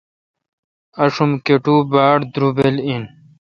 آشوم کٹو باڑدروبل این۔